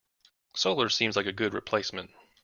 Solar seems like a good replacement.